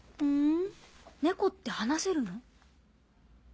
猫って話せるの？